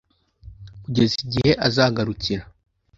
kugeza igihe azagarukira